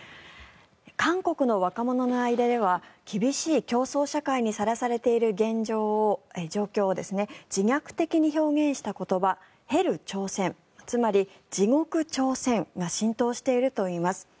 韓国の若者の間では厳しい競争社会にさらされている状況を自虐的に表現した言葉ヘル朝鮮つまり地獄朝鮮が浸透しているといいます。